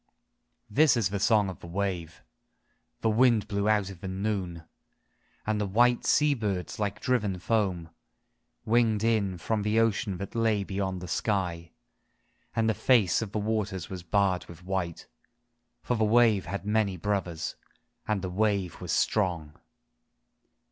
IV This is the song of the wave ! The wind blew out of the V / noon, And the white sea birds like driven foam Winged in from the ocean that lay beyond the sky And the face of the waters was .barred with white, For the wave had many brothers, And the wave was strong